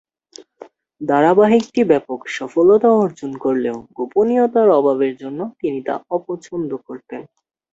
ধারাবাহিকটি ব্যাপক সফলতা অর্জন করলেও গোপনীয়তার অভাবের জন্য তিনি তা অপছন্দ করতেন।